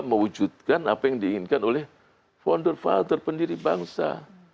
mewujudkan apa yang diinginkan oleh founder founder pendiri bangsa